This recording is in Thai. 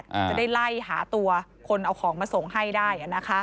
จะได้ไล่หาตัวคนเอาของมาส่งให้ได้อ่ะนะคะ